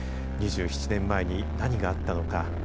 ２７年前に何があったのか。